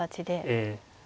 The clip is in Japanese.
ええ。